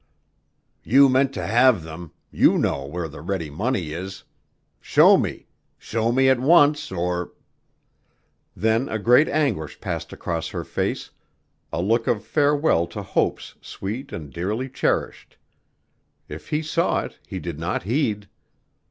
"You meant to have them; you know where the ready money is. Show me, show me at once or " Then a great anguish passed across her face, a look of farewell to hopes sweet and dearly cherished. If he saw it he did not heed.